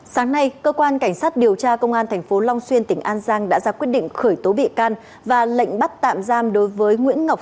sáng nay cơ quan cảnh sát điều tra công an tp long xuyên tỉnh an giang đã ra quyết định khởi tố bị can và lệnh bắt tạm giam đối với nguyễn ngọc